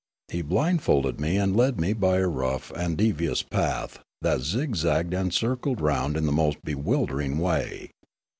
He blindfolded me and led me by a rough and devious path, that zig zagged and circled round in the most bewildering way.